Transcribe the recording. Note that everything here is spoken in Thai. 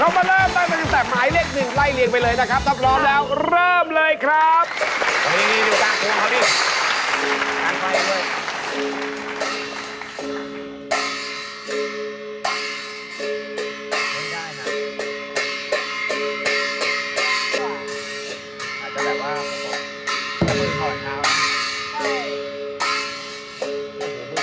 เรามาเริ่มตั้งแต่สักหมายเลข๑